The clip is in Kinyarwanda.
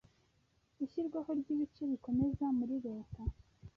Ishyirwaho ryibice bikomeza Muri leta